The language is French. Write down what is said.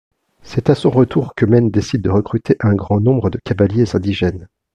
C’est à son retour qu’Eumène décide de recruter un grand nombre de cavaliers indigènes.